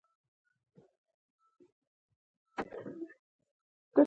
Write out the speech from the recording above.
هوښیار څوک دی چې د خپل ځان ارزښت پېژني.